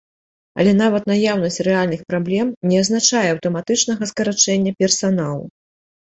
Але нават наяўнасць рэальных праблем не азначае аўтаматычнага скарачэння персаналу.